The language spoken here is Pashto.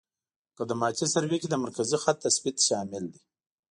مقدماتي سروې کې د مرکزي خط تثبیت شامل دی